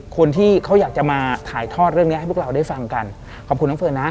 คนที่เขาอยากจะมาถ่ายทอดเรื่องนี้ให้พวกเราได้ฟังกันขอบคุณน้องเฟิร์นนะ